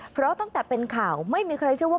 เพราะตั้งแต่เป็นข่าวไม่มีใครเชื่อว่า